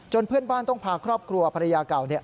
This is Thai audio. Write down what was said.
เพื่อนบ้านต้องพาครอบครัวภรรยาเก่า